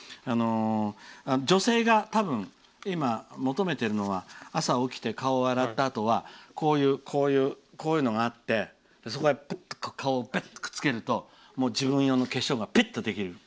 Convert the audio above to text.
女性が多分、今求めているのは朝起きて、顔を洗ったあとはこういうのがあってそこへ顔をくっつけると自分用の化粧が、びっとできる。